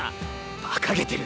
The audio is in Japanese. バカげてる。